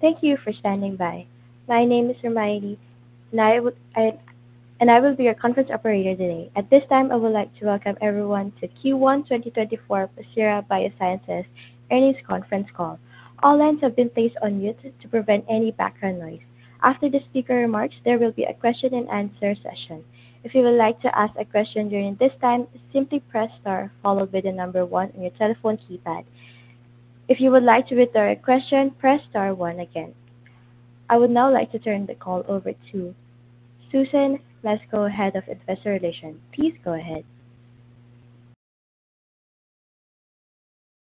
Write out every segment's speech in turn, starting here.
Thank you for standing by. My name is Hermione, and I will be your conference operator today. At this time, I would like to welcome everyone to Q1 2024 Pacira BioSciences Earnings Conference Call. All lines have been placed on mute to prevent any background noise. After the speaker remarks, there will be a question and answer session. If you would like to ask a question during this time, simply press star followed by the number one on your telephone keypad. If you would like to withdraw a question, press star one again. I would now like to turn the call over to Susan Mesco, Head of Investor Relations. Please go ahead.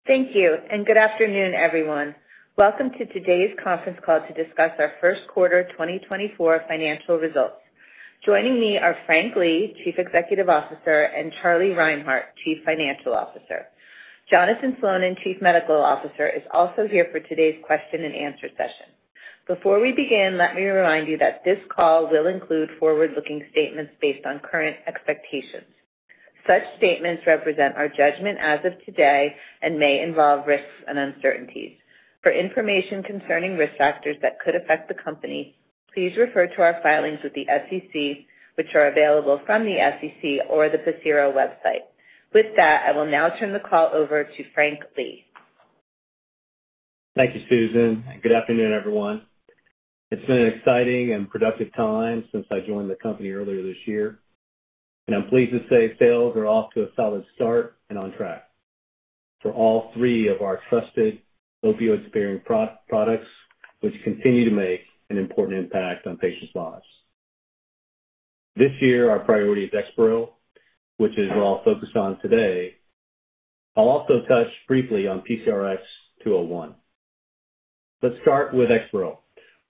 Thank you, and good afternoon, everyone. Welcome to today's conference call to discuss our first quarter 2024 financial results. Joining me are Frank Lee, Chief Executive Officer, and Charles Reinhart, Chief Financial Officer. Jonathan Slonin, Chief Medical Officer, is also here for today's question and answer session. Before we begin, let me remind you that this call will include forward-looking statements based on current expectations. Such statements represent our judgment as of today and may involve risks and uncertainties. For information concerning risk factors that could affect the company, please refer to our filings with the SEC, which are available from the SEC or the Pacira website. With that, I will now turn the call over to Frank Lee. Thank you, Susan, and good afternoon, everyone. It's been an exciting and productive time since I joined the company earlier this year, and I'm pleased to say sales are off to a solid start and on track for all three of our trusted opioid-sparing pro-products, which continue to make an important impact on patients' lives. This year, our priority is EXPAREL, which is what I'll focus on today. I'll also touch briefly on PCRX-201. Let's start with EXPAREL.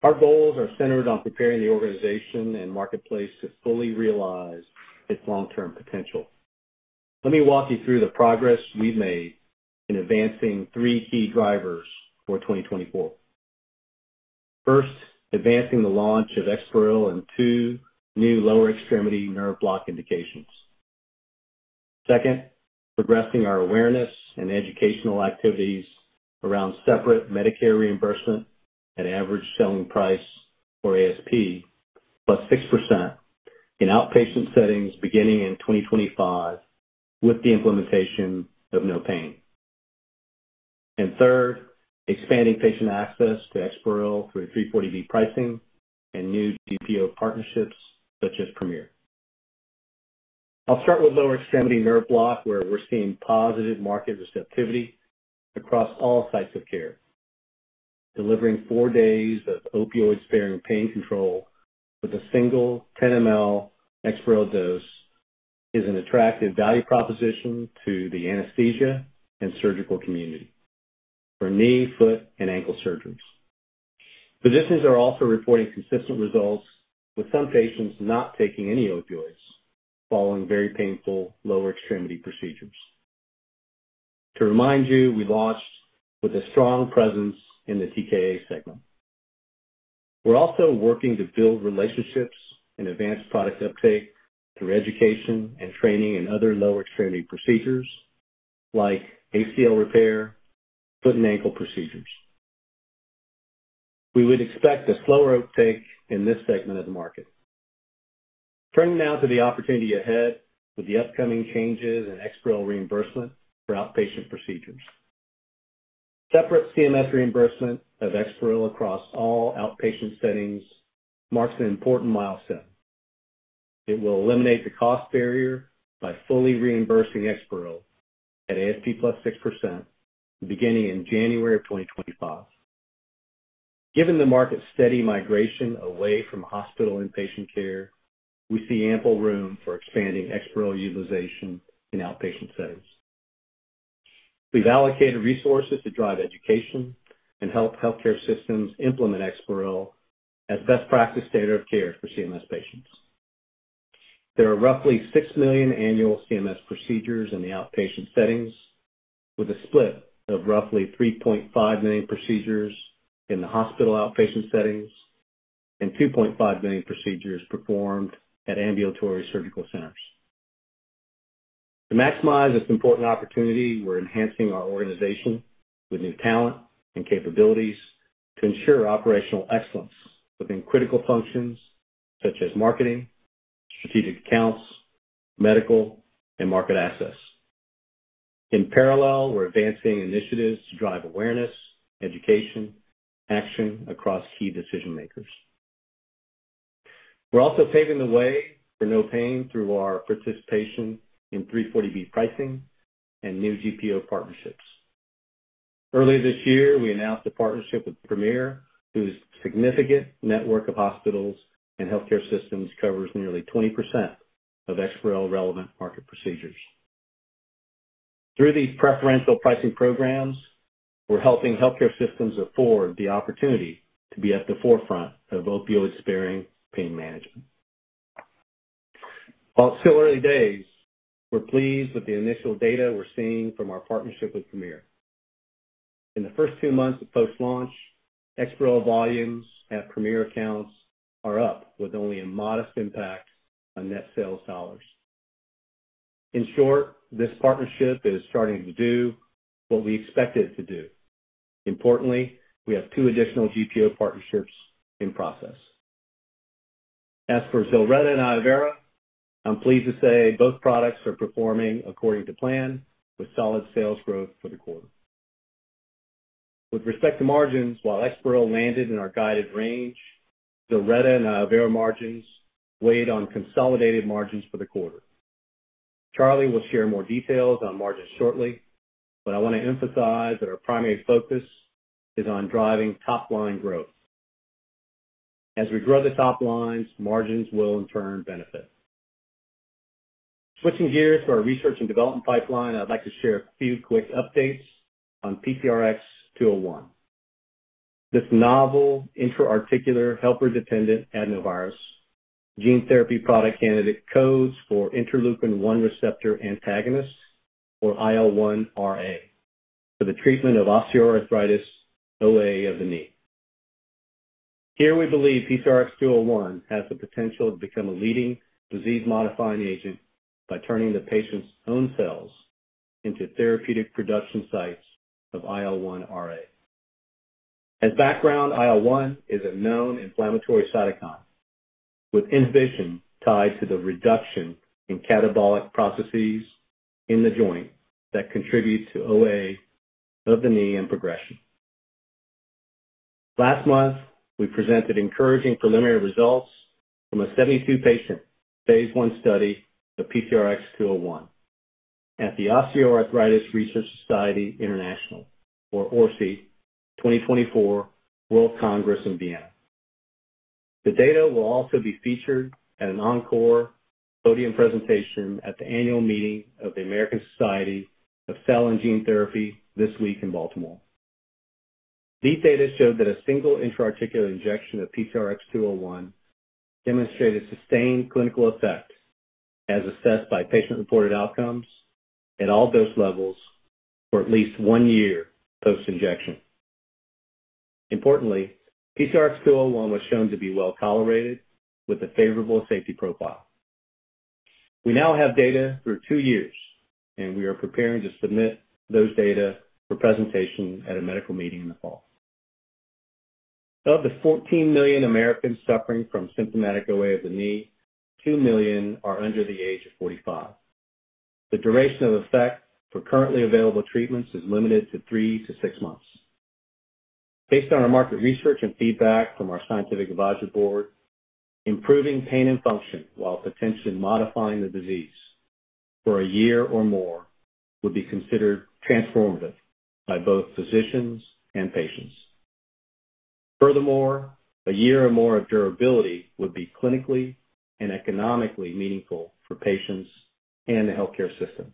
Our goals are centered on preparing the organization and marketplace to fully realize its long-term potential. Let me walk you through the progress we've made in advancing three key drivers for 2024. First, advancing the launch of EXPAREL in two new lower extremity nerve block indications. Second, progressing our awareness and educational activities around separate Medicare reimbursement and average selling price, or ASP, plus 6% in outpatient settings beginning in 2025 with the implementation of NOPAIN Act. And third, expanding patient access to EXPAREL through 340B pricing and new GPO partnerships such as Premier. I'll start with lower extremity nerve block, where we're seeing positive market receptivity across all sites of care. Delivering four days of opioid-sparing pain control with a single 10 ml EXPAREL dose is an attractive value proposition to the anesthesia and surgical community for knee, foot, and ankle surgeries. Physicians are also reporting consistent results, with some patients not taking any opioids following very painful lower extremity procedures. To remind you, we launched with a strong presence in the TKA segment. We're also working to build relationships and advance product uptake through education and training in other lower extremity procedures, like ACL repair, foot and ankle procedures. We would expect a slower uptake in this segment of the market. Turning now to the opportunity ahead with the upcoming changes in EXPAREL reimbursement for outpatient procedures. Separate CMS reimbursement of EXPAREL across all outpatient settings marks an important milestone. It will eliminate the cost barrier by fully reimbursing EXPAREL at ASP plus 6%, beginning in January of 2025. Given the market's steady migration away from hospital inpatient care, we see ample room for expanding EXPAREL utilization in outpatient settings. We've allocated resources to drive education and help healthcare systems implement EXPAREL as best practice standard of care for CMS patients. There are roughly six million annual CMS procedures in the outpatient settings, with a split of roughly 3.5 million procedures in the hospital outpatient settings and 2.5 million procedures performed at ambulatory surgical centers. To maximize this important opportunity, we're enhancing our organization with new talent and capabilities to ensure operational excellence within critical functions such as marketing, strategic accounts, medical, and market access. In parallel, we're advancing initiatives to drive awareness, education, action across key decision makers. We're also paving the way for NOPAIN Act through our participation in 340B pricing and new GPO partnerships. Earlier this year, we announced a partnership with Premier, whose significant network of hospitals and healthcare systems covers nearly 20% of EXPAREL relevant market procedures. Through these preferential pricing programs, we're helping healthcare systems afford the opportunity to be at the forefront of opioid-sparing pain management. While it's still early days, we're pleased with the initial data we're seeing from our partnership with Premier. In the first two months of post-launch, EXPAREL volumes at Premier accounts are up, with only a modest impact on net sales dollars.... In short, this partnership is starting to do what we expect it to do. Importantly, we have two additional GPO partnerships in process. As for ZILRETTA and iovera, I'm pleased to say both products are performing according to plan, with solid sales growth for the quarter. With respect to margins, while EXPAREL landed in our guided range, ZILRETTA and iovera margins weighed on consolidated margins for the quarter. Charlie will share more details on margins shortly, but I want to emphasize that our primary focus is on driving top-line growth. As we grow the top lines, margins will in turn benefit. Switching gears to our research and development pipeline, I'd like to share a few quick updates on PCRX-201. This novel intra-articular helper-dependent adenovirus gene therapy product candidate codes for interleukin-1 receptor antagonist, or IL-1Ra, for the treatment of osteoarthritis, OA of the knee. Here, we believe PCRX-201 has the potential to become a leading disease-modifying agent by turning the patient's own cells into therapeutic production sites of IL-1Ra. As background, IL-1 is a known inflammatory cytokine, with inhibition tied to the reduction in catabolic processes in the joint that contribute to OA of the knee and progression. Last month, we presented encouraging preliminary results from a 72-patient Phase I study of PCRX-201 at the Osteoarthritis Research Society International, or OARSI, 2024 World Congress in Vienna. The data will also be featured at an encore podium presentation at the annual meeting of the American Society of Gene & Cell Therapy this week in Baltimore. These data showed that a single intra-articular injection of PCRX-201 demonstrated sustained clinical effect, as assessed by patient-reported outcomes at all dose levels for at least 1 year post-injection. Importantly, PCRX-201 was shown to be well tolerated with a favorable safety profile. We now have data for 2 years, and we are preparing to submit those data for presentation at a medical meeting in the fall. Of the 14 million Americans suffering from symptomatic OA of the knee, 2 million are under the age of forty-five. The duration of effect for currently available treatments is limited to 3-6 months. Based on our market research and feedback from our scientific advisory board, improving pain and function while potentially modifying the disease for a year or more would be considered transformative by both physicians and patients. Furthermore, a year or more of durability would be clinically and economically meaningful for patients and the healthcare system.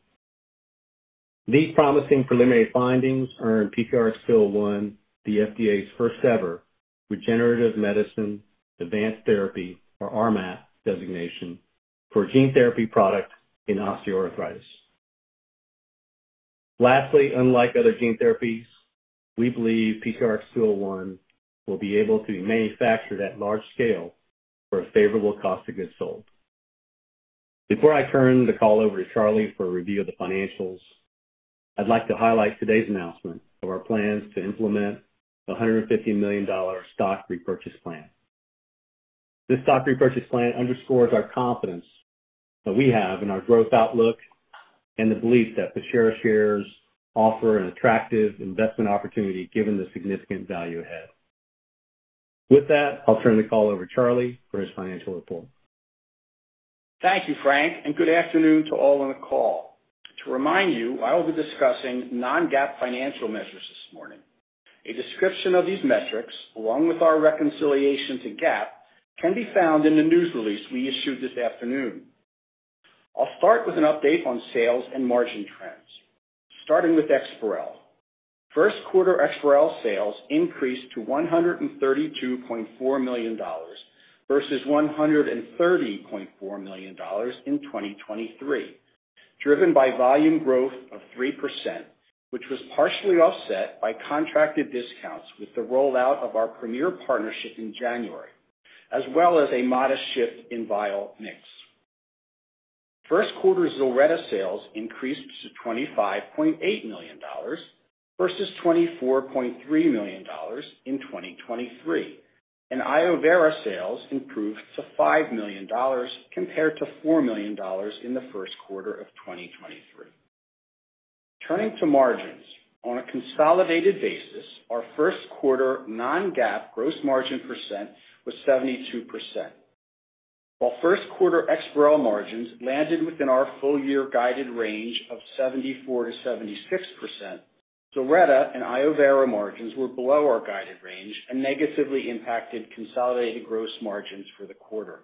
These promising preliminary findings earned PCRX-201 the FDA's first-ever Regenerative Medicine Advanced Therapy, or RMAT, designation for gene therapy product in Osteoarthritis. Lastly, unlike other gene therapies, we believe PCRX-201 will be able to be manufactured at large scale for a favorable cost of goods sold. Before I turn the call over to Charlie for a review of the financials, I'd like to highlight today's announcement of our plans to implement a $150 million stock repurchase plan. This stock repurchase plan underscores our confidence that we have in our growth outlook and the belief that the shares offer an attractive investment opportunity, given the significant value ahead. With that, I'll turn the call over to Charlie for his financial report. Thank you, Frank, and good afternoon to all on the call. To remind you, I will be discussing non-GAAP financial measures this morning. A description of these metrics, along with our reconciliation to GAAP, can be found in the news release we issued this afternoon. I'll start with an update on sales and margin trends, starting with EXPAREL. First quarter EXPAREL sales increased to $132.4 million versus $130.4 million in 2023, driven by volume growth of 3%, which was partially offset by contracted discounts with the rollout of our Premier partnership in January, as well as a modest shift in vial mix. First quarter ZILRETTA sales increased to $25.8 million, versus $24.3 million in 2023, and iovera sales improved to $5 million, compared to $4 million in the first quarter of 2023. Turning to margins, on a consolidated basis, our first quarter non-GAAP gross margin percent was 72%. While first quarter EXPAREL margins landed within our full-year guided range of 74%-76%, ZILRETTA and iovera margins were below our guided range and negatively impacted consolidated gross margins for the quarter.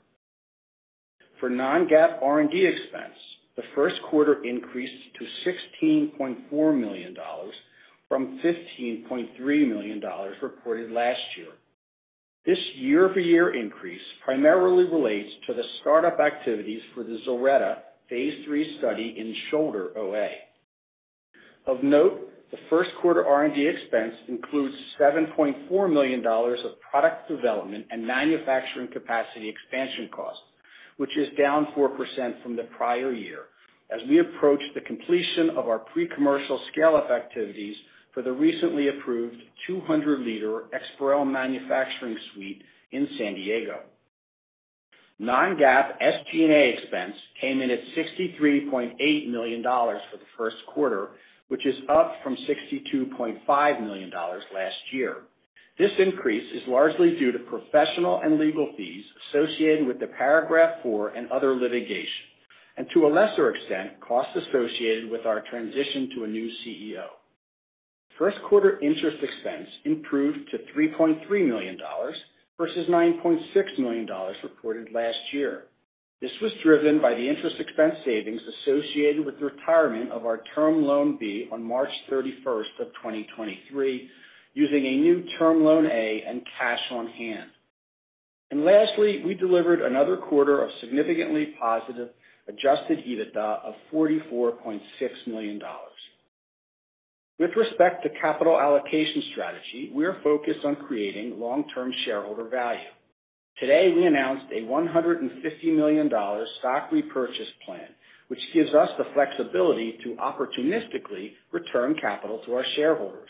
For non-GAAP R&D expense, the first quarter increased to $16.4 million from $15.3 million reported last year. This year-over-year increase primarily relates to the startup activities for the ZILRETTA Phase III study in shoulder OA.... Of note, the first quarter R&D expense includes $7.4 million of product development and manufacturing capacity expansion costs, which is down 4% from the prior year as we approach the completion of our pre-commercial scale-up activities for the recently approved 200-liter EXPAREL manufacturing suite in San Diego. Non-GAAP SG&A expense came in at $63.8 million for the first quarter, which is up from $62.5 million last year. This increase is largely due to professional and legal fees associated with the Paragraph IV and other litigation, and to a lesser extent, costs associated with our transition to a new CEO. First quarter interest expense improved to $3.3 million versus $9.6 million reported last year. This was driven by the interest expense savings associated with the retirement of our Term Loan B on March 31, 2023, using a new Term Loan A and cash on hand. Lastly, we delivered another quarter of significantly positive adjusted EBITDA of $44.6 million. With respect to capital allocation strategy, we are focused on creating long-term shareholder value. Today, we announced a $150 million stock repurchase plan, which gives us the flexibility to opportunistically return capital to our shareholders.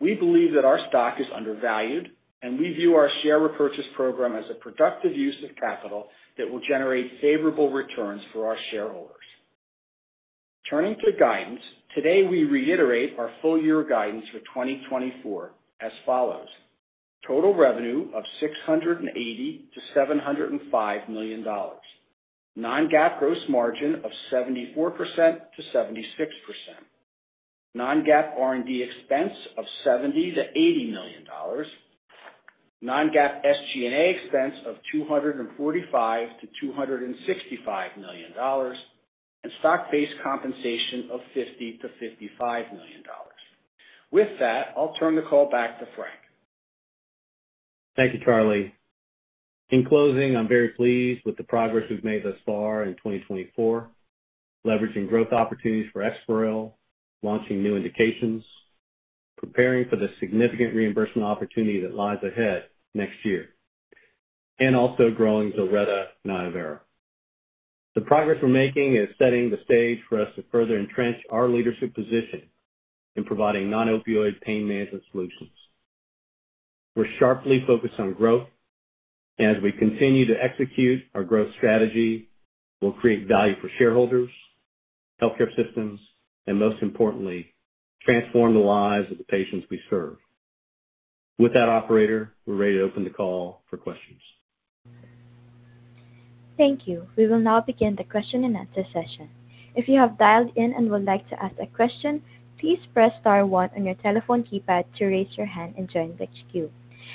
We believe that our stock is undervalued, and we view our share repurchase program as a productive use of capital that will generate favorable returns for our shareholders. Turning to guidance, today, we reiterate our full year guidance for 2024 as follows: total revenue of $680 million-$705 million, non-GAAP gross margin of 74%-76%, non-GAAP R&D expense of $70 million-$80 million, non-GAAP SG&A expense of $245 million-$265 million, and stock-based compensation of $50 million-$55 million. With that, I'll turn the call back to Frank. Thank you, Charlie. In closing, I'm very pleased with the progress we've made thus far in 2024, leveraging growth opportunities for EXPAREL, launching new indications, preparing for the significant reimbursement opportunity that lies ahead next year, and also growing ZILRETTA and iovera. The progress we're making is setting the stage for us to further entrench our leadership position in providing non-opioid pain management solutions. We're sharply focused on growth, and as we continue to execute our growth strategy, we'll create value for shareholders, healthcare systems, and most importantly, transform the lives of the patients we serve. With that, operator, we're ready to open the call for questions. Thank you. We will now begin the question-and-answer session. If you have dialed in and would like to ask a question, please press star one on your telephone keypad to raise your hand and join the queue.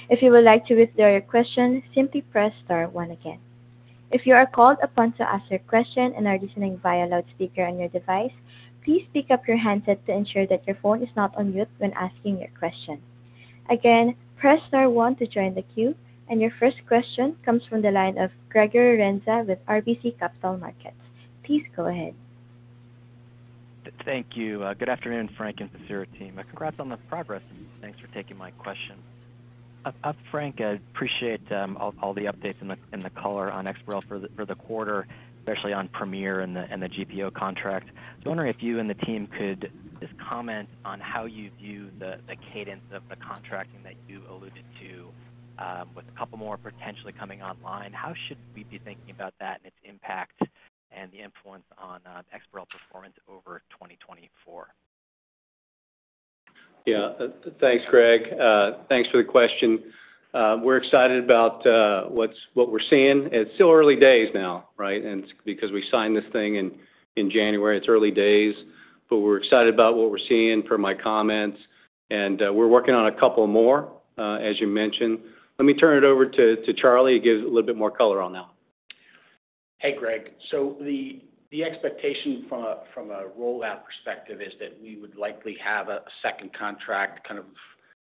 If you would like to withdraw your question, simply press star one again. If you are called upon to ask your question and are listening via loudspeaker on your device, please pick up your handset to ensure that your phone is not on mute when asking your question. Again, press star one to join the queue, and your first question comes from the line of Gregory Renza with RBC Capital Markets. Please go ahead. Thank you. Good afternoon, Frank and Pacira team. Congrats on the progress, and thanks for taking my question. Frank, I appreciate all the updates and the color on EXPAREL for the quarter, especially on Premier and the GPO contract. I was wondering if you and the team could just comment on how you view the cadence of the contracting that you alluded to, with a couple more potentially coming online. How should we be thinking about that and its impact and the influence on EXPAREL performance over 2024? Yeah. Thanks, Greg. Thanks for the question. We're excited about what's—what we're seeing. It's still early days now, right? And because we signed this thing in January, it's early days, but we're excited about what we're seeing per my comments, and we're working on a couple more, as you mentioned. Let me turn it over to Charlie to give a little bit more color on that. Hey, Greg. So the expectation from a rollout perspective is that we would likely have a second contract kind of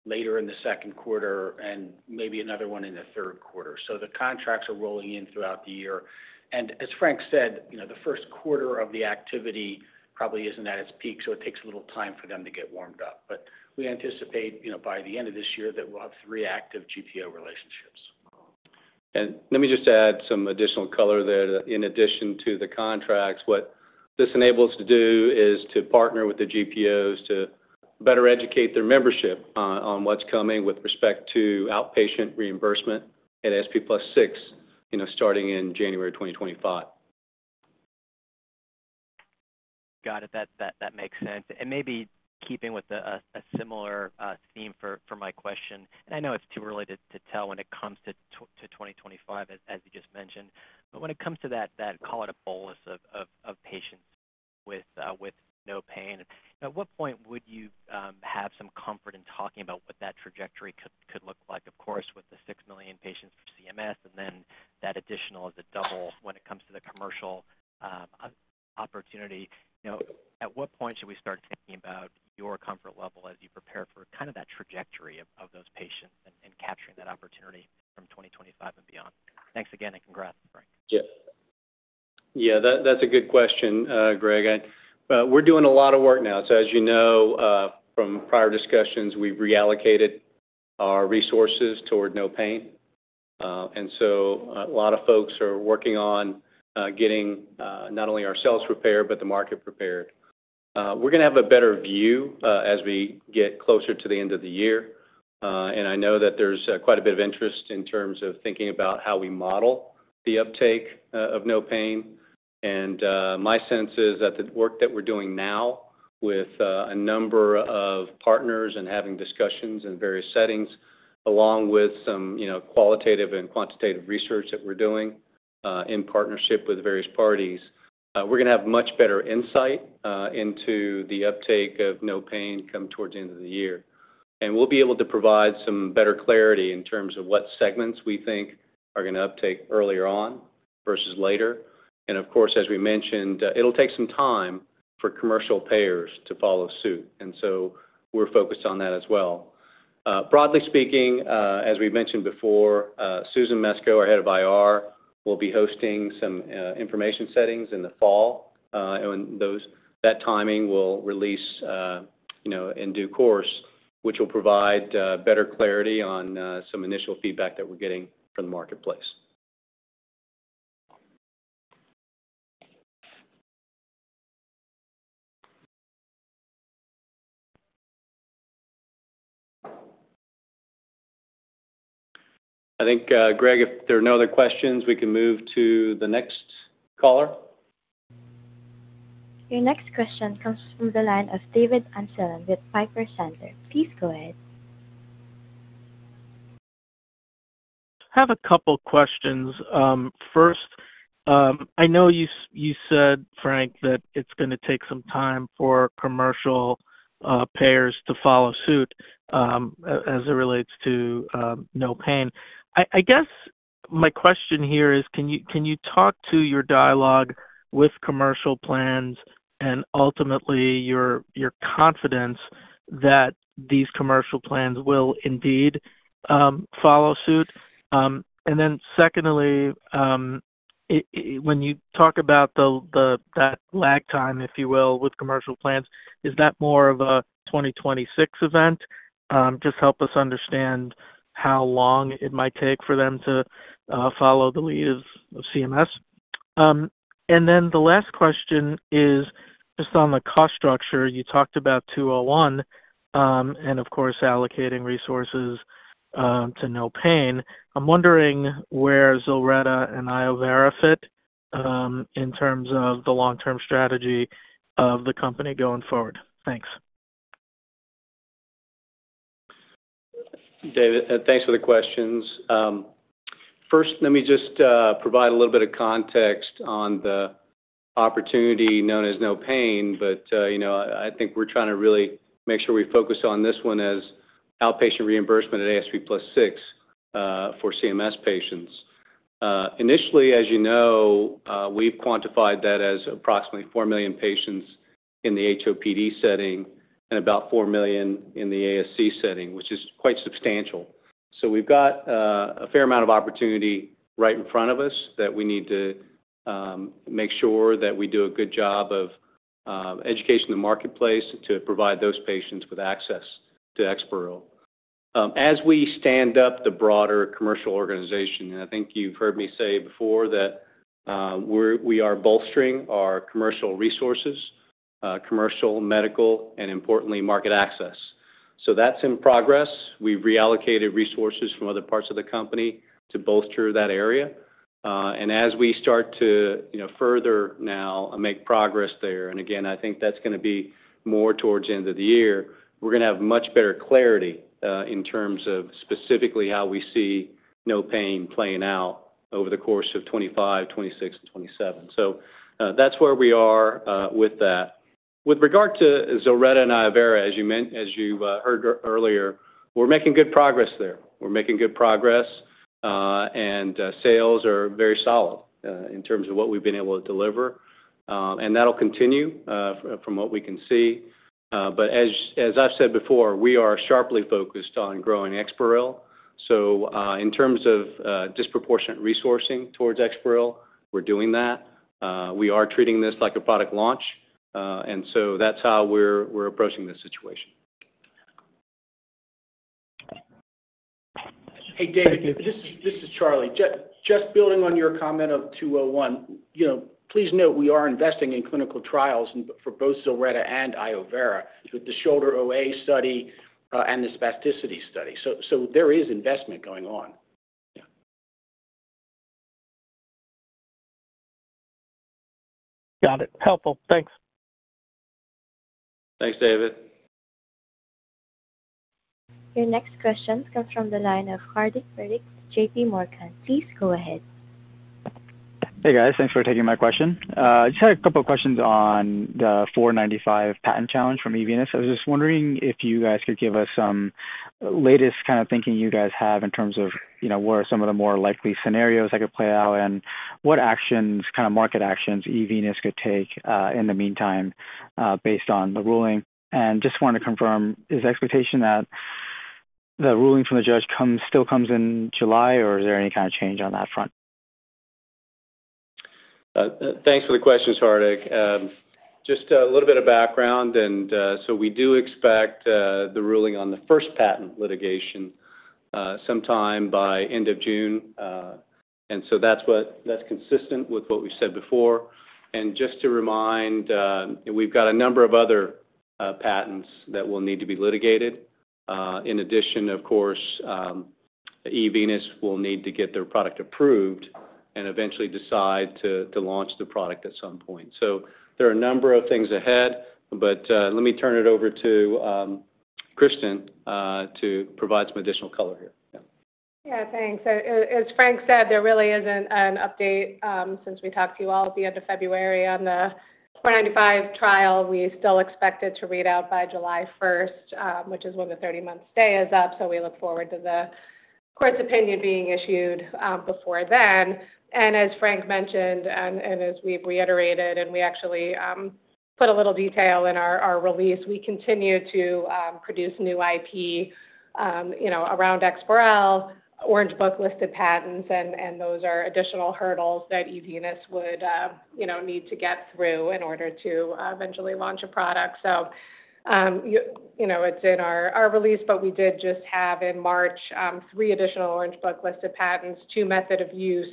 later in the second quarter and maybe another one in the third quarter. So the contracts are rolling in throughout the year. And as Frank said, you know, the first quarter of the activity probably isn't at its peak, so it takes a little time for them to get warmed up. But we anticipate, you know, by the end of this year, that we'll have three active GPO relationships. Let me just add some additional color there. In addition to the contracts, what this enables us to do is to partner with the GPOs to better educate their membership on what's coming with respect to outpatient reimbursement at SP plus six, you know, starting in January 2025. Got it. That makes sense. And maybe keeping with a similar theme for my question, and I know it's too early to tell when it comes to 2025, as you just mentioned, but when it comes to that, call it a bolus of patients with NOPAIN, at what point would you have some comfort in talking about what that trajectory could look like? Of course, with the 6 million patients for CMS, and then that additional is a double when it comes to the commercial opportunity. You know, at what point should we start thinking about your comfort level as you prepare for kind of that trajectory of those patients and capturing that opportunity from 2025 and beyond? Thanks again, and congrats, Frank. Yeah.... Yeah, that, that's a good question, Greg. I-- We're doing a lot of work now. So as you know, from prior discussions, we've reallocated our resources toward NOPAIN. And so a lot of folks are working on getting not only ourselves prepared, but the market prepared. We're gonna have a better view as we get closer to the end of the year. And I know that there's quite a bit of interest in terms of thinking about how we model the uptake of NOPAIN. And, my sense is that the work that we're doing now with, a number of partners and having discussions in various settings, along with some, you know, qualitative and quantitative research that we're doing, in partnership with various parties, we're gonna have much better insight, into the uptake of NOPAIN come towards the end of the year. And we'll be able to provide some better clarity in terms of what segments we think are gonna uptake earlier on versus later. And of course, as we mentioned, it'll take some time for commercial payers to follow suit, and so we're focused on that as well. Broadly speaking, as we've mentioned before, Susan Mesco, our head of IR, will be hosting some, information settings in the fall. And when that timing will release, you know, in due course, which will provide better clarity on some initial feedback that we're getting from the marketplace. I think, Greg, if there are no other questions, we can move to the next caller. Your next question comes from the line of David Amsellem with Piper Sandler. Please go ahead. I have a couple questions. First, I know you said, Frank, that it's gonna take some time for commercial payers to follow suit, as it relates to No Pain. I guess my question here is, can you talk to your dialogue with commercial plans and ultimately your confidence that these commercial plans will indeed follow suit? Then secondly, when you talk about that lag time, if you will, with commercial plans, is that more of a 2026 event? Just help us understand how long it might take for them to follow the lead of CMS. And then the last question is, just on the cost structure, you talked about 201, and of course, allocating resources to No Pain. I'm wondering where ZILRETTA and iovera fit, in terms of the long-term strategy of the company going forward. Thanks. David, thanks for the questions. First, let me just provide a little bit of context on the opportunity known as no pain, but you know, I think we're trying to really make sure we focus on this one as outpatient reimbursement at ASP plus 6, for CMS patients. Initially, as you know, we've quantified that as approximately 4 million patients in the HOPD setting and about 4 million in the ASC setting, which is quite substantial. So we've got a fair amount of opportunity right in front of us, that we need to make sure that we do a good job of educating the marketplace to provide those patients with access to EXPAREL. As we stand up the broader commercial organization, and I think you've heard me say before, that, we are bolstering our commercial resources, commercial, medical, and importantly, market access. That's in progress. We've reallocated resources from other parts of the company to bolster that area. As we start to, you know, further now make progress there, and again, I think that's gonna be more towards the end of the year, we're gonna have much better clarity, in terms of specifically how we see NOPAIN playing out over the course of 2025, 2026 and 2027. That's where we are, with that. With regard to ZILRETTA and iovera, as you heard earlier, we're making good progress there. We're making good progress, and sales are very solid in terms of what we've been able to deliver. That'll continue from what we can see. But as I've said before, we are sharply focused on growing EXPAREL. So, in terms of disproportionate resourcing towards EXPAREL, we're doing that. We are treating this like a product launch, and so that's how we're approaching this situation. Hey, David, this is Charlie. Just building on your comment of 201, you know, please note we are investing in clinical trials for both ZILRETTA and iovera, with the shoulder OA study and the spasticity study. So there is investment going on. Yeah. Got it. Helpful. Thanks. Thanks, David. Your next question comes from the line of Hardik Parikh, J.P. Morgan. Please go ahead. Hey, guys. Thanks for taking my question. Just had a couple of questions on the 495 patent challenge from eVenus. I was just wondering if you guys could give us some latest kind of thinking you guys have in terms of, you know, where some of the more likely scenarios that could play out, and what actions, kind of market actions eVenus could take, in the meantime, based on the ruling? And just wanted to confirm, is the expectation that the ruling from the judge comes, still comes in July, or is there any kind of change on that front? Thanks for the question, Hardik. Just a little bit of background, and so we do expect the ruling on the first patent litigation sometime by end of June. And so that's consistent with what we've said before. Just to remind, we've got a number of other patents that will need to be litigated. In addition, of course, eVenus will need to get their product approved and eventually decide to to launch the product at some point. So there are a number of things ahead, but let me turn it over to Kristen to provide some additional color here. Yeah. Yeah, thanks. As Frank said, there really isn't an update since we talked to you all at the end of February on the 495 trial. We still expect it to read out by July 1st, which is when the 30-month stay is up, so we look forward to the court's opinion being issued before then. And as Frank mentioned, and as we've reiterated, and we actually put a little detail in our release, we continue to produce new IP, you know, around EXPAREL, Orange Book listed patents, and those are additional hurdles that eVenus would, you know, need to get through in order to eventually launch a product. So, you know, it's in our release, but we did just have in March three additional Orange Book listed patents, two method of use,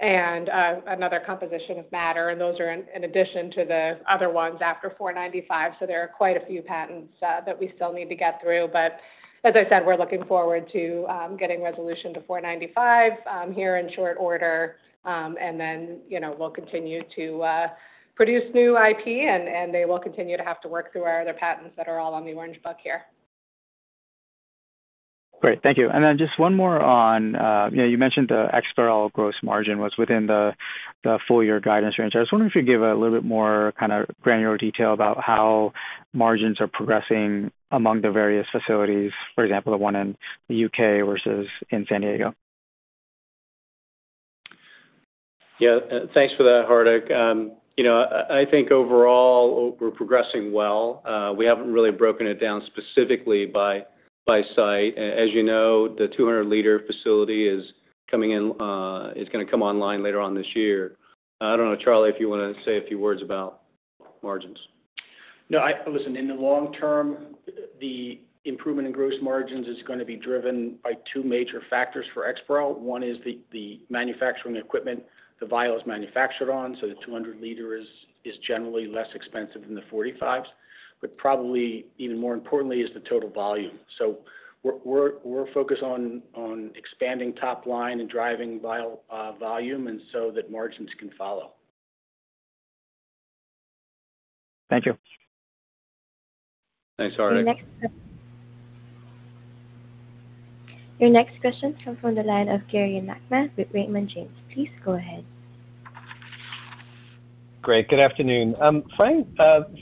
and another composition of matter, and those are in addition to the other ones after 495. So there are quite a few patents that we still need to get through. But as I said, we're looking forward to getting resolution to 495 here in short order. And then, you know, we'll continue to produce new IP, and they will continue to have to work through our other patents that are all on the Orange Book here. Great. Thank you. And then just one more on, you know, you mentioned the EXPAREL gross margin was within the, the full year guidance range. I was wondering if you'd give a little bit more kind of granular detail about how margins are progressing among the various facilities, for example, the one in the UK versus in San Diego. Yeah, thanks for that, Hardik. You know, I think overall, we're progressing well. We haven't really broken it down specifically by site. As you know, the 200-liter facility is coming in, is gonna come online later on this year. I don't know, Charlie, if you wanna say a few words about margins. No, listen, in the long term, the improvement in gross margins is gonna be driven by two major factors for EXPAREL. One is the manufacturing equipment the vial is manufactured on, so the 200-liter is generally less expensive than the 45s, but probably even more importantly, is the total volume. So we're focused on expanding top line and driving vial volume, and so that margins can follow. Thank you. Thanks, Hardik. Your next question comes from the line of Gary Nachman with Raymond James. Please go ahead. Great. Good afternoon. Frank,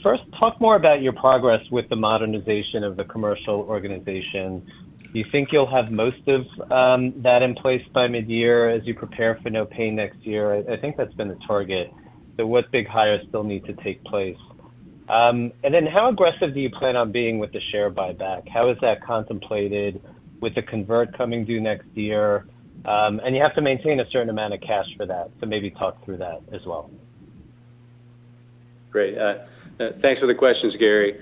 first, talk more about your progress with the modernization of the commercial organization. Do you think you'll have most of that in place by midyear as you prepare for NOPAIN next year? I think that's been the target. So what big hires still need to take place? And then how aggressive do you plan on being with the share buyback? How is that contemplated with the convert coming due next year? And you have to maintain a certain amount of cash for that, so maybe talk through that as well. Great. Thanks for the questions, Gary.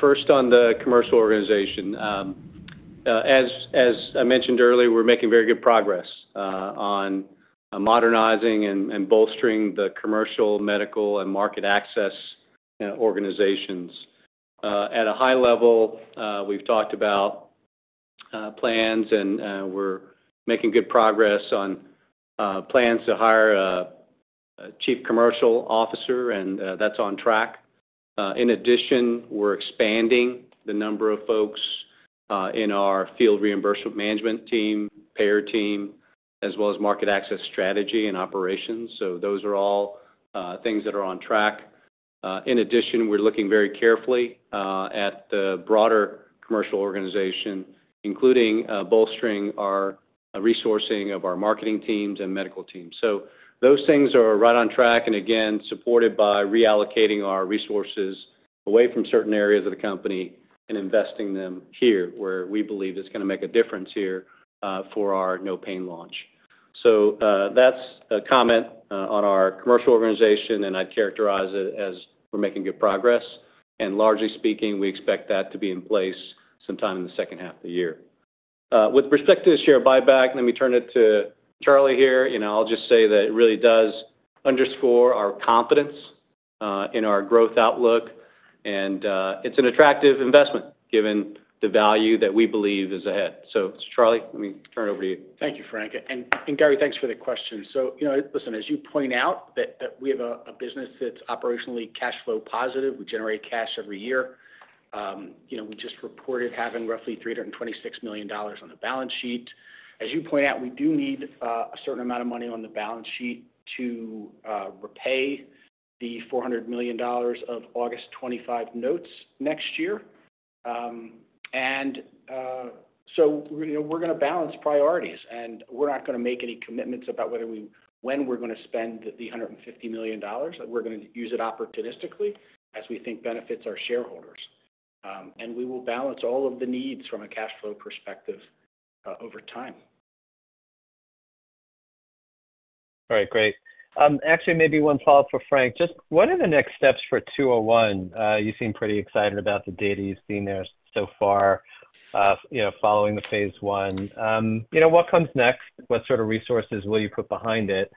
First, on the commercial organization. As I mentioned earlier, we're making very good progress on modernizing and bolstering the commercial, medical, and market access organizations. At a high level, we've talked about plans, and we're making good progress on plans to hire a Chief Commercial Officer, and that's on track. In addition, we're expanding the number of folks in our field reimbursement management team, payer team, as well as market access strategy and operations. So those are all things that are on track. In addition, we're looking very carefully at the broader commercial organization, including bolstering our resourcing of our marketing teams and medical teams. So those things are right on track, and again, supported by reallocating our resources away from certain areas of the company and investing them here, where we believe it's gonna make a difference here for our No Pain launch. So that's a comment on our commercial organization, and I'd characterize it as we're making good progress. Largely speaking, we expect that to be in place sometime in the second half of the year. With respect to the share buyback, let me turn it to Charlie here. You know, I'll just say that it really does underscore our confidence in our growth outlook, and it's an attractive investment, given the value that we believe is ahead. So Charlie, let me turn it over to you. Thank you, Frank, and Gary, thanks for the question. So, you know, listen, as you point out, we have a business that's operationally cash flow positive. We generate cash every year. You know, we just reported having roughly $326 million on the balance sheet. As you point out, we do need a certain amount of money on the balance sheet to repay the $400 million of August 2025 notes next year. And so, you know, we're gonna balance priorities, and we're not gonna make any commitments about whether we—when we're gonna spend the $150 million, that we're gonna use it opportunistically, as we think benefits our shareholders. And we will balance all of the needs from a cash flow perspective, over time.... All right, great. Actually, maybe one follow-up for Frank. Just what are the next steps for 201? You seem pretty excited about the data you've seen there so far, you know, following the phase 1. You know, what comes next? What sort of resources will you put behind it?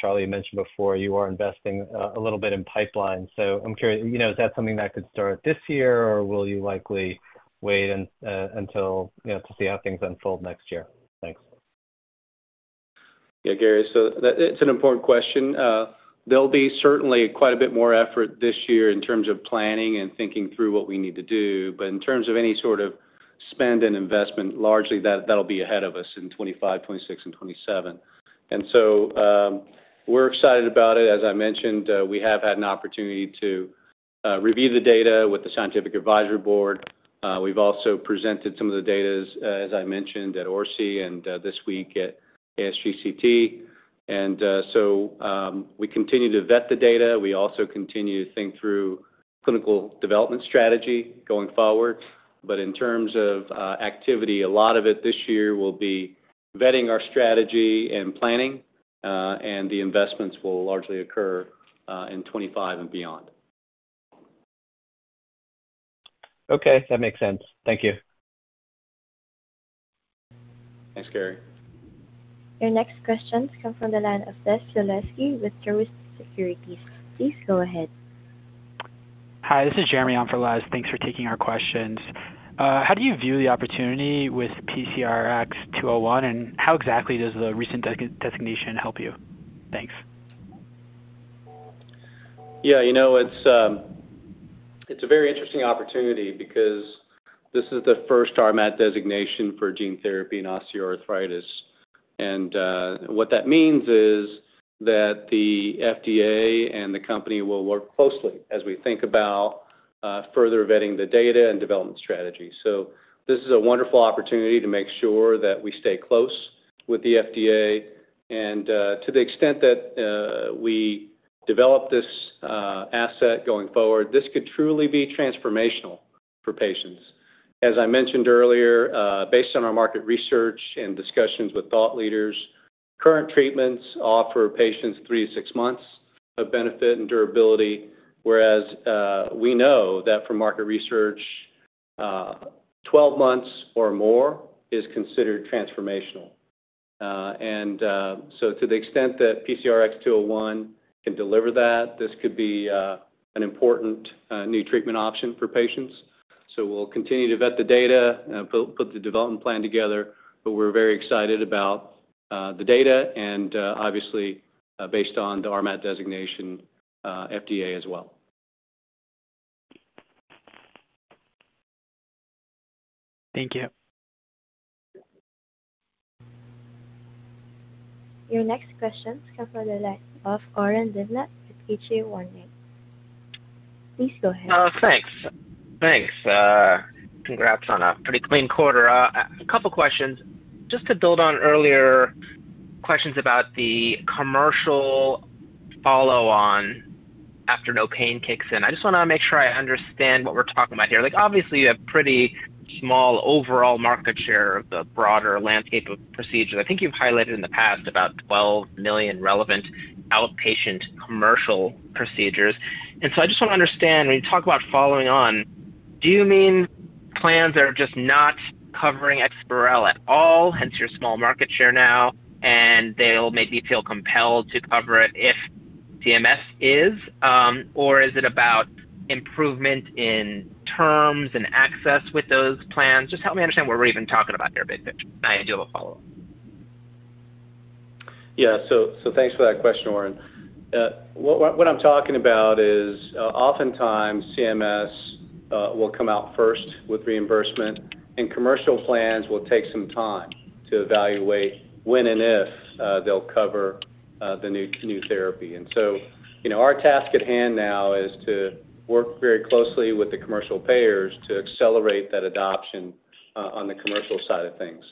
Charlie, you mentioned before you are investing, a little bit in pipeline. So I'm curious, you know, is that something that could start this year, or will you likely wait until, you know, to see how things unfold next year? Thanks. Yeah, Gary, so that it's an important question. There'll be certainly quite a bit more effort this year in terms of planning and thinking through what we need to do. But in terms of any sort of spend and investment, largely, that'll be ahead of us in 2025, 2026 and 2027. And so, we're excited about it. As I mentioned, we have had an opportunity to review the data with the scientific advisory board. We've also presented some of the data, as I mentioned, at OARSI and this week at ASGCT. And so, we continue to vet the data. We also continue to think through clinical development strategy going forward. But in terms of activity, a lot of it this year will be vetting our strategy and planning, and the investments will largely occur in 2025 and beyond. Okay, that makes sense. Thank you. Thanks, Gary. Your next question comes from the line of Les Sulewski with Truist Securities. Please go ahead. Hi, this is Jeremy on for Laz. Thanks for taking our questions. How do you view the opportunity with PCRX-201, and how exactly does the recent designation help you? Thanks. Yeah, you know, it's a very interesting opportunity because this is the first RMAT designation for gene therapy and osteoarthritis. And what that means is that the FDA and the company will work closely as we think about further vetting the data and development strategy. So this is a wonderful opportunity to make sure that we stay close with the FDA. And to the extent that we develop this asset going forward, this could truly be transformational for patients. As I mentioned earlier, based on our market research and discussions with thought leaders, current treatments offer patients 3-6 months of benefit and durability, whereas we know that from market research, 12 months or more is considered transformational. And so to the extent that PCRX-201 can deliver that, this could be an important new treatment option for patients. So we'll continue to vet the data and put, put the development plan together, but we're very excited about the data and obviously based on the RMAT designation, FDA as well. Thank you. Your next question comes from the line of Oren Livnat with H.C. Wainwright & Co. Please go ahead. Thanks. Thanks. Congrats on a pretty clean quarter. A couple of questions. Just to build on earlier questions about the commercial follow on after No Pain kicks in. I just wanna make sure I understand what we're talking about here. Like, obviously, you have pretty small overall market share of the broader landscape of procedures. I think you've highlighted in the past about 12 million relevant outpatient commercial procedures. And so I just want to understand, when you talk about following on, do you mean plans are just not covering EXPAREL at all, hence your small market share now, and they'll maybe feel compelled to cover it if CMS is, or is it about improvement in terms and access with those plans? Just help me understand what we're even talking about here, big picture. I do have a follow-up. Yeah, so thanks for that question, Oren. What I'm talking about is oftentimes CMS will come out first with reimbursement, and commercial plans will take some time to evaluate when and if they'll cover the new therapy. And so, you know, our task at hand now is to work very closely with the commercial payers to accelerate that adoption on the commercial side of things.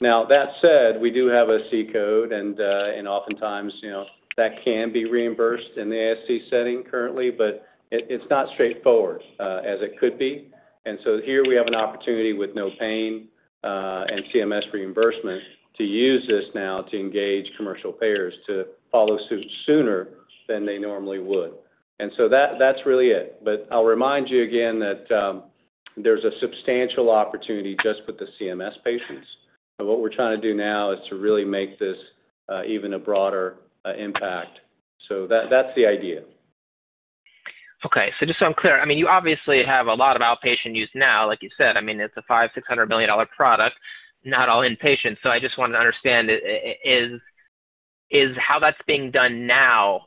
Now, that said, we do have a C code, and oftentimes, you know, that can be reimbursed in the ASC setting currently, but it's not straightforward as it could be. And so here we have an opportunity with NOPAIN and CMS reimbursement to use this now to engage commercial payers to follow suit sooner than they normally would. And so that's really it. But I'll remind you again that there's a substantial opportunity just with the CMS patients. And what we're trying to do now is to really make this even a broader impact. So that's the idea. Okay, so just so I'm clear, I mean, you obviously have a lot of outpatient use now. Like you said, I mean, it's a $500 million-$600 million product, not all inpatient. So I just wanted to understand, is how that's being done now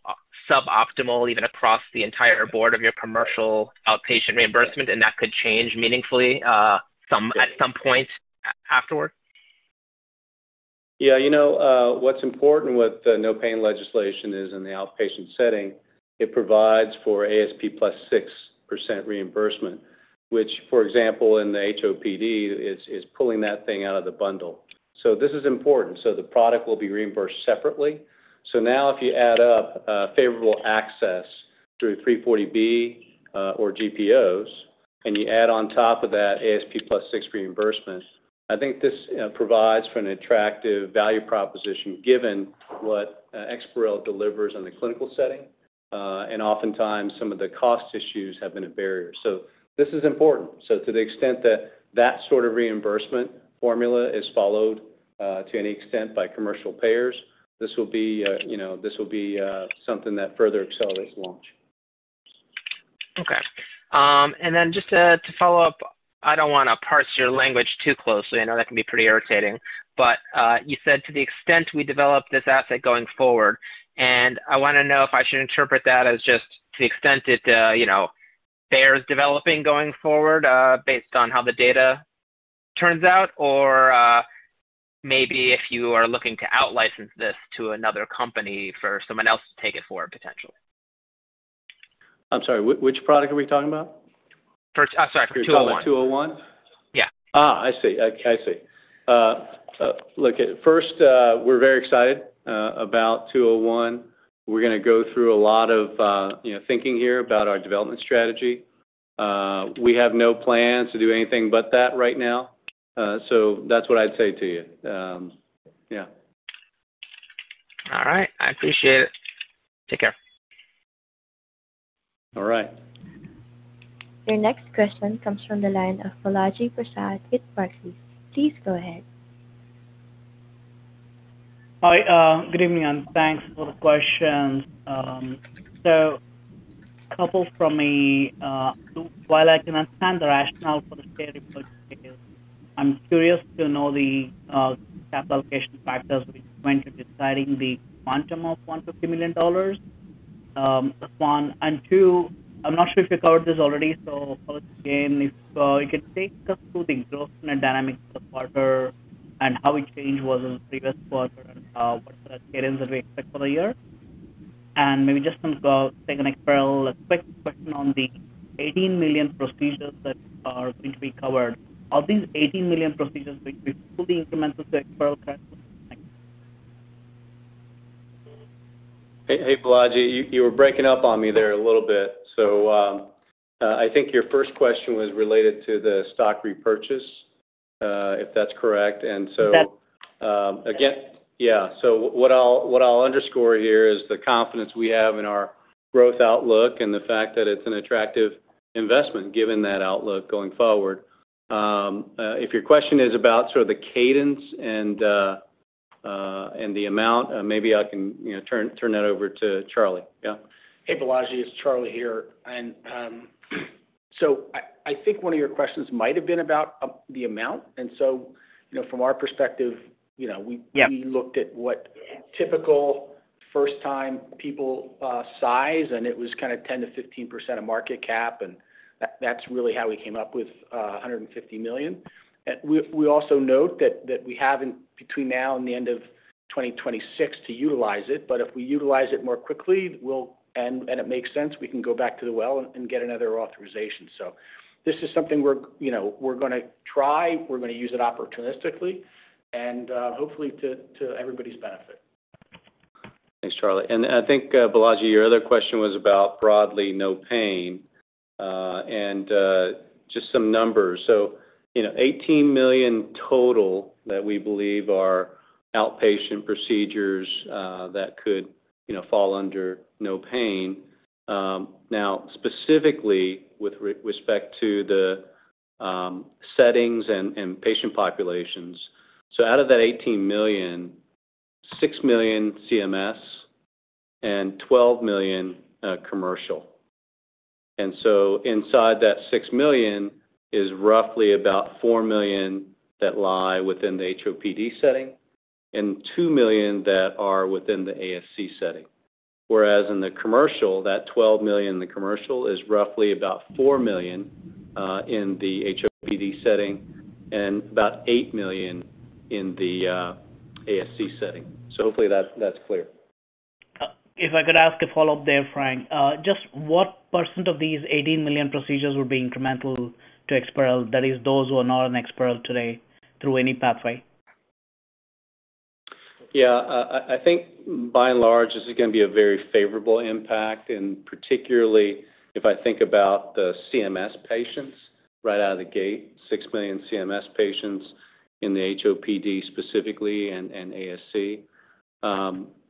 suboptimal, even across the entire board of your commercial outpatient reimbursement, and that could change meaningfully, at some point afterward? Yeah, you know, what's important with the NOPAIN legislation is in the outpatient setting, it provides for ASP plus 6% reimbursement, which, for example, in the HOPD, is pulling that thing out of the bundle. So this is important. So the product will be reimbursed separately. So now if you add up, favorable access through 340B, or GPOs and you add on top of that ASP plus 6% reimbursement, I think this provides for an attractive value proposition, given what EXPAREL delivers in the clinical setting, and oftentimes, some of the cost issues have been a barrier. So this is important. So to the extent that that sort of reimbursement formula is followed, to any extent by commercial payers, this will be, you know, this will be, something that further accelerates launch. Okay. And then just to follow up, I don't want to parse your language too closely. I know that can be pretty irritating, but you said, to the extent we develop this asset going forward, and I want to know if I should interpret that as just to the extent it, you know, bears developing, going forward, based on how the data turns out, or maybe if you are looking to out-license this to another company for someone else to take it forward, potentially. I'm sorry, which product are we talking about? For, I'm sorry, for 201. You're talking about 201? Yeah. I see. Look, at first, we're very excited about 201. We're gonna go through a lot of, you know, thinking here about our development strategy. We have no plans to do anything but that right now. So that's what I'd say to you. Yeah. All right, I appreciate it. Take care. All right. Your next question comes from the line of Balaji Prasad with Barclays. Please go ahead. Hi, good evening, and thanks for the questions. So a couple from me. While I can understand the rationale for the share repurchase, I'm curious to know the, capital allocation factors which went to deciding the quantum of $150 million, one. And two, I'm not sure if you covered this already, so once again, if, you could take us through the growth and dynamics of the quarter and how it changed was in the previous quarter, and, what are the variance that we expect for the year? And maybe just about second EXPAREL, a quick question on the 18 million procedures that are going to be covered. Are these 18 million procedures with the incremental to EXPAREL? Thanks. Hey, Balaji, you were breaking up on me there a little bit. So, I think your first question was related to the stock repurchase, if that's correct. Yes. So what I'll underscore here is the confidence we have in our growth outlook and the fact that it's an attractive investment, given that outlook going forward. If your question is about sort of the cadence and the amount, maybe I can, you know, turn that over to Charlie. Yeah. Hey, Balaji, it's Charlie here. So, I think one of your questions might have been about the amount. And so, you know, from our perspective, you know, we- Yeah. We looked at what typical first-time peers size, and it was kind of 10%-15% of market cap, and that's really how we came up with $150 million. We also note that we have between now and the end of 2026 to utilize it, but if we utilize it more quickly, we'll, and it makes sense, we can go back to the well and get another authorization. So this is something we're, you know, we're gonna try. We're gonna use it opportunistically and hopefully to everybody's benefit. Thanks, Charlie. And I think, Balaji, your other question was about broadly No Pain and just some numbers. So, you know, 18 million total that we believe are outpatient procedures that could, you know, fall under No Pain. Now, specifically, with respect to the settings and patient populations, so out of that 18 million, 6 million CMS and 12 million commercial. And so inside that 6 million is roughly about 4 million that lie within the HOPD setting and 2 million that are within the ASC setting. Whereas in the commercial, that 12 million in the commercial is roughly about 4 million in the HOPD setting and about 8 million in the ASC setting. So hopefully that's clear. If I could ask a follow-up there, Frank. Just what % of these 18 million procedures would be incremental to EXPAREL? That is, those who are not on EXPAREL today through any pathway. Yeah, I think by and large, this is gonna be a very favorable impact, and particularly, if I think about the CMS patients right out of the gate, 6 million CMS patients in the HOPD specifically and ASC.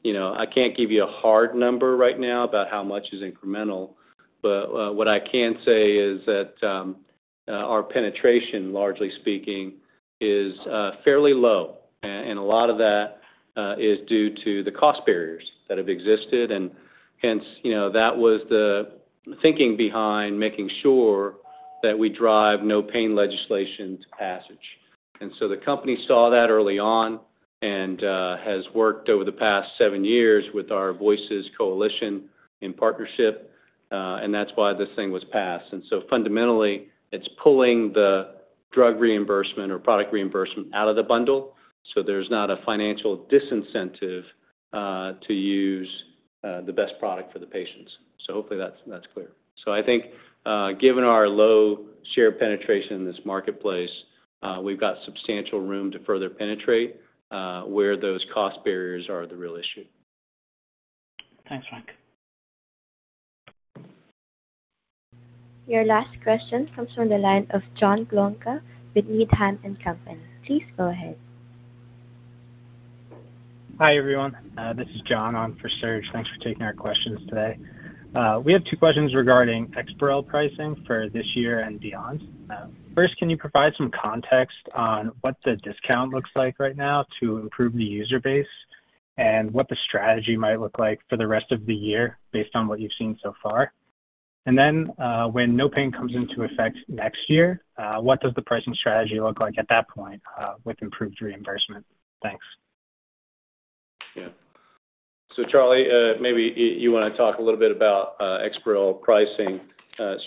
You know, I can't give you a hard number right now about how much is incremental, but what I can say is that our penetration, largely speaking, is fairly low, and a lot of that is due to the cost barriers that have existed. Hence, you know, that was the thinking behind making sure that we drive NOPAIN legislation to passage. So the company saw that early on and has worked over the past 7 years with our Voices coalition in partnership, and that's why this thing was passed. And so fundamentally, it's pulling the drug reimbursement or product reimbursement out of the bundle, so there's not a financial disincentive to use the best product for the patients. So hopefully that's clear. So I think, given our low share penetration in this marketplace, we've got substantial room to further penetrate where those cost barriers are the real issue.... Thanks, Frank. Your last question comes from the line of John Giannopoulos with Needham & Company. Please go ahead. Hi, everyone, this is John on for Serge. Thanks for taking our questions today. We have two questions regarding EXPAREL pricing for this year and beyond. First, can you provide some context on what the discount looks like right now to improve the user base? And what the strategy might look like for the rest of the year based on what you've seen so far? And then, when NOPAIN comes into effect next year, what does the pricing strategy look like at that point, with improved reimbursement? Thanks. Yeah. So Charlie, maybe you wanna talk a little bit about EXPAREL pricing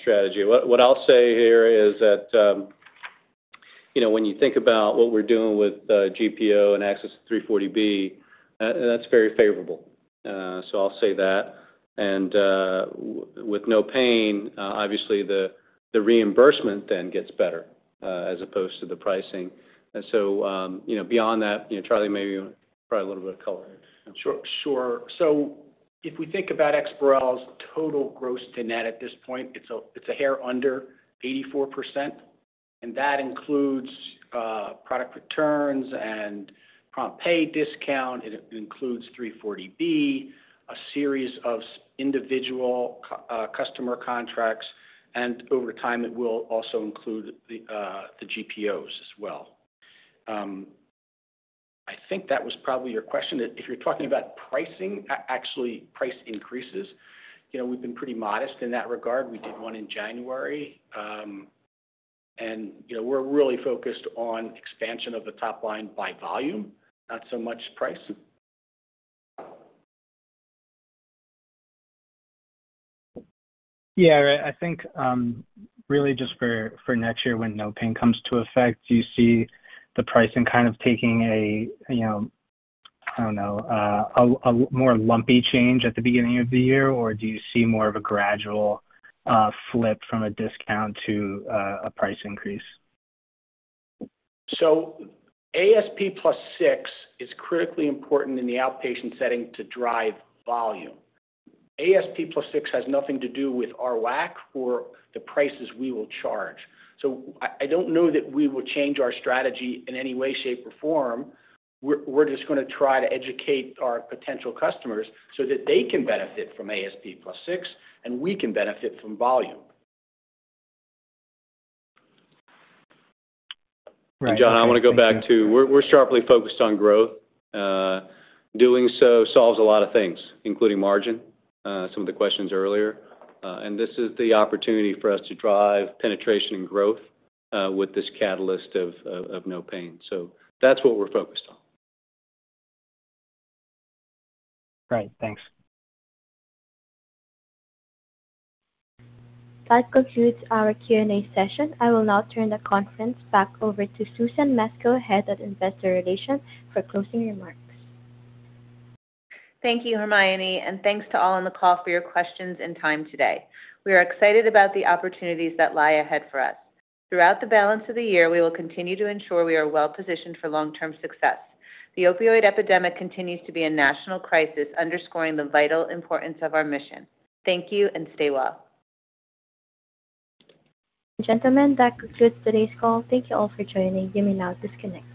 strategy. What I'll say here is that, you know, when you think about what we're doing with GPO and access to 340B, that's very favorable. So I'll say that. And with NOPAIN, obviously, the reimbursement then gets better as opposed to the pricing. And so, you know, beyond that, you know, Charlie, maybe provide a little bit of color. Sure, sure. So if we think about EXPAREL's total gross to net at this point, it's a hair under 84%, and that includes product returns and prompt pay discount. It includes 340B, a series of individual customer contracts, and over time, it will also include the GPOs as well. I think that was probably your question. If you're talking about pricing, actually, price increases, you know, we've been pretty modest in that regard. We did one in January. And, you know, we're really focused on expansion of the top line by volume, not so much price. Yeah, I think really just for next year when NOPAIN comes to effect, do you see the pricing kind of taking a, you know, I don't know, a more lumpy change at the beginning of the year? Or do you see more of a gradual flip from a discount to a price increase? So ASP + six is critically important in the outpatient setting to drive volume. ASP + six has nothing to do with our WAC or the prices we will charge. So I don't know that we would change our strategy in any way, shape, or form. We're just gonna try to educate our potential customers so that they can benefit from ASP + six, and we can benefit from volume. And John, I wanna go back to we're sharply focused on growth. Doing so solves a lot of things, including margin, some of the questions earlier. This is the opportunity for us to drive penetration and growth with this catalyst of No Pain. That's what we're focused on. Great. Thanks. That concludes our Q&A session. I will now turn the conference back over to Susan Mesco, Head of Investor Relations, for closing remarks. Thank you, Hermione, and thanks to all on the call for your questions and time today. We are excited about the opportunities that lie ahead for us. Throughout the balance of the year, we will continue to ensure we are well positioned for long-term success. The opioid epidemic continues to be a national crisis, underscoring the vital importance of our mission. Thank you, and stay well. Gentlemen, that concludes today's call. Thank you all for joining. You may now disconnect.